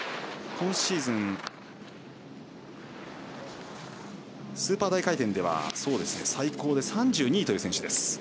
今シーズン、スーパー大回転で最高で３２位という選手です。